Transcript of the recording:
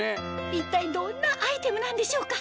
一体どんなアイテムなんでしょうか？